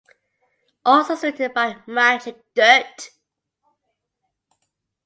All songs written by Magic Dirt.